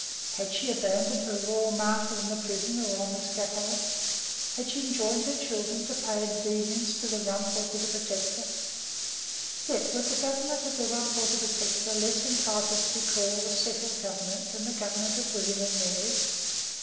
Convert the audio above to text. Had she abandoned her Royal Martyr in the prison or on the scaffold? Had she enjoined her children to pay obedience to the Rump or to the Protector? Yet was the government of the Rump or of the Protector less entitled to be called a settled government than the government of William and Mary?